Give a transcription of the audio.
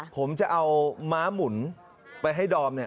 ผมจะเอาม้าหมุนไปให้ดอมเนี่ย